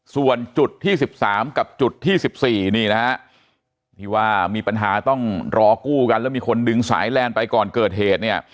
ส่วนจุดที่๑๓กับจุดที่๑๔มีปัญหาต้องรอกู้กันแล้วมีคนดึงสายแลนด์ไปก่อนเกิดเหตุ